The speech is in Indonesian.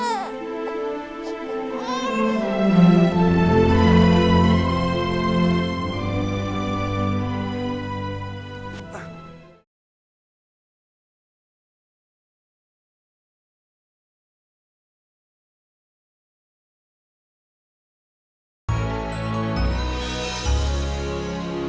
kau bilang aku bisa lihat bumi dengan nyawa